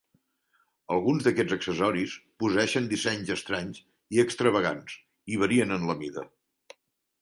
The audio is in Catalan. Alguns d'aquests accessoris posseeixen dissenys estranys i extravagants i varien en la mida.